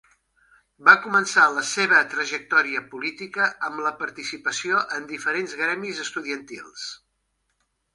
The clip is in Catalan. Va començar la seva trajectòria política amb la participació en diferents gremis estudiantils.